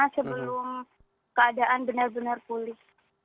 sebelum keadaan benar benar pulih